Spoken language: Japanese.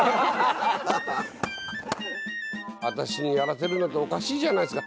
私にやらせるなんておかしいじゃないですか。